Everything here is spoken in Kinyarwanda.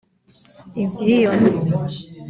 ibyiyoni